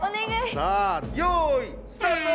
さあよいスタート！